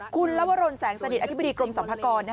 คุณลวรนแสงสนิทอธิบดีกรมสรรพากร